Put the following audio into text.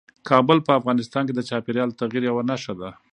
کابل په افغانستان کې د چاپېریال د تغیر یوه نښه ده.